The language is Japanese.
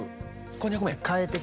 こんにゃく麺。